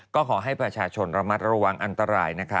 ก็ขอให้ประชาชนระมัดระวังอันตรายนะคะ